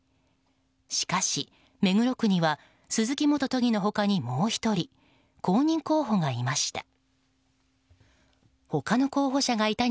しかし、目黒区には鈴木元都議の他にもう１人公認候補がいました。